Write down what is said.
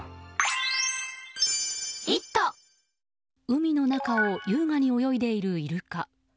海の中を優雅に泳いでいる、イルカ。